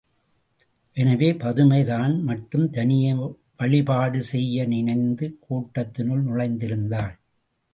எனவே, பதுமை தான் மட்டும் தனியே வழிபாடு செய்ய நினைந்து கோட்டத்தினுள் நுழைந்திருந்தாள்.